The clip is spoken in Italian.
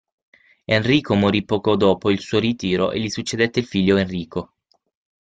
Enrico morì poco dopo il suo ritiro e gli succedette il figlio Enrico.